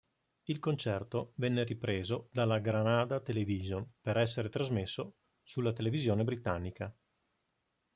Il concerto venne ripreso dalla Granada Television per essere trasmesso sulla televisione britannica.